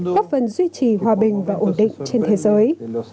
góp phần duy trì hòa bình và ổn định trên thế giới